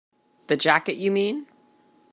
The jacket, you mean?